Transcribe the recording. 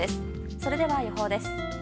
それでは予報です。